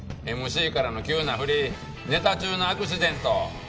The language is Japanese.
ＭＣからの急な振りネタ中のアクシデント。